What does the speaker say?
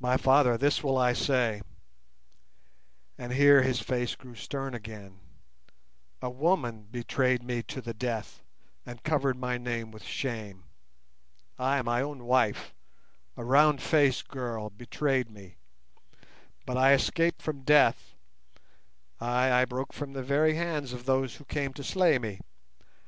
My Father, this will I say," and here his face grew stern again, "a woman betrayed me to the death, and covered my name with shame—ay, my own wife, a round faced girl, betrayed me; but I escaped from death; ay, I broke from the very hands of those who came to slay me.